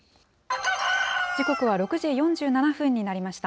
時刻は６時４７分になりました。